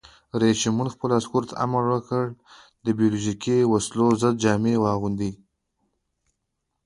رئیس جمهور خپلو عسکرو ته امر وکړ؛ د بیولوژیکي وسلو ضد جامې واغوندئ!